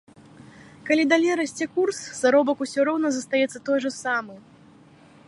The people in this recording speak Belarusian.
Калі далей расце курс, заробак усё роўна застаецца той жа самы.